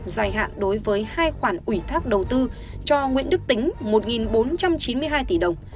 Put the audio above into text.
dài hạn đối với hai khoản ủy thác đầu tư cho nguyễn đức tính một bốn trăm chín mươi hai tỷ đồng